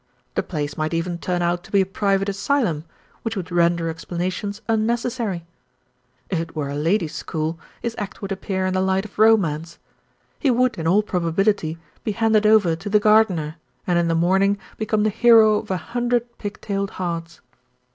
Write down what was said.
The place might even turn out to be a private asylum, which would render explanations unnecessary. If it were a ladies' school, his act would appear in the light of romance. He would, in all probability, be handed over to the gar dener, and in the morning become the hero of a hun dred pig tailed hearts.